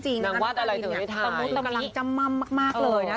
นางวาดอะไรถึงไหนถ่ายตรงนี้กำลังจะม่ำมากเลยนะ